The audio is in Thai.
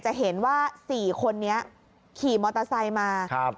จะเห็นว่าสี่คนนี้ขี่มอเตอร์ไซค์มาครับ